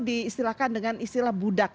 diistilahkan dengan istilah budak